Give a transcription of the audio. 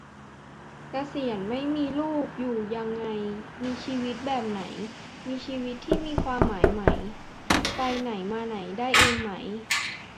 เกษียณไม่มีลูก อยู่ยังไง มีชีวิตแบบไหน มีชีวิตที่มีความหมายไหม ไปไหนมาไหนได้เองไหม